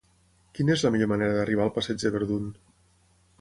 Quina és la millor manera d'arribar al passeig de Verdun?